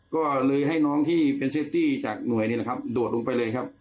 ก็เลยให้น้องที่เป็นเซฟที่จากหน่วยโดดลงไปเลยครับ